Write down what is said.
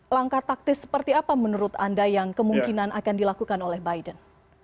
langkah taktis seperti apa menurut anda yang kemungkinan akan dilakukan oleh biden